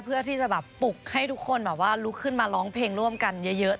เพื่อที่จะแบบปลุกให้ทุกคนแบบว่าลุกขึ้นมาร้องเพลงร่วมกันเยอะ